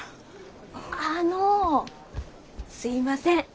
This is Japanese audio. あのすいません「ばえー！」